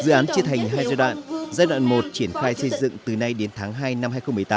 dự án chia thành hai giai đoạn giai đoạn một triển khai xây dựng từ nay đến tháng hai năm hai nghìn một mươi tám